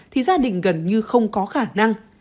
thì gia đình gần như không có khả năng